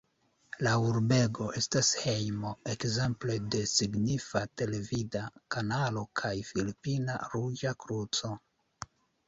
La urbego estas hejmo ekzemple de signifa televida kanalo kaj Filipina Ruĝa Kruco.